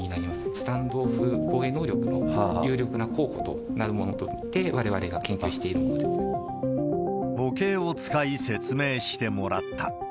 スタンドオフ防衛能力の有力な候補となるものとして、われわれが模型を使い説明してもらった。